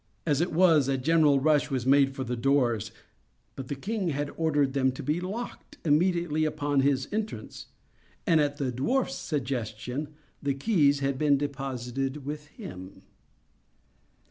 As it was, a general rush was made for the doors; but the king had ordered them to be locked immediately upon his entrance; and, at the dwarf's suggestion, the keys had been deposited with him.